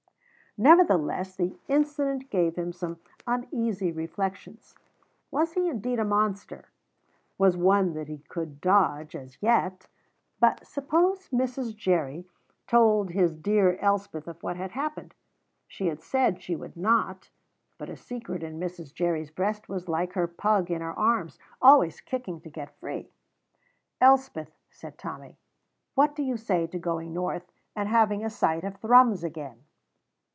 Nevertheless, the incident gave him some uneasy reflections. Was he, indeed, a monster? was one that he could dodge, as yet; but suppose Mrs. Jerry told his dear Elspeth of what had happened? She had said that she would not, but a secret in Mrs. Jerry's breast was like her pug in her arms, always kicking to get free. "Elspeth," said Tommy, "what do you say to going north and having a sight of Thrums again?"